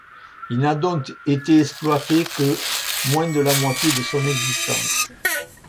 Il n'a donc été exploité que moins de la moitié de son existence.